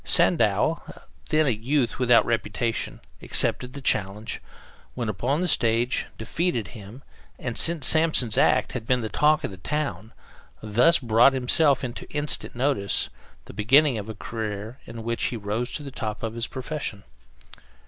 Sandow, then a youth without reputation, accepted the challenge, went upon the stage, defeated him, and, since Samson's act had been the talk of the town, thus brought himself into instant notice, the beginning of a career in which he rose to the top of his profession.